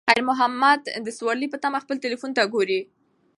خیر محمد د سوارلۍ په تمه خپل تلیفون ته ګوري.